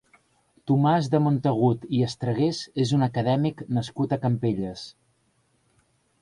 Tomàs de Montagut i Estragués és un acadèmic nascut a Campelles.